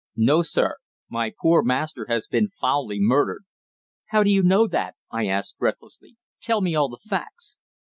"No, sir. My poor master has been foully murdered." "How do you know that?" I asked breathlessly. "Tell me all the facts."